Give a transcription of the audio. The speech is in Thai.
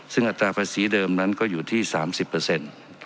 ซึ่งอัตราภาษีเดิมนั้นก็อยู่ที่๓๐เปอร์เซ็นต์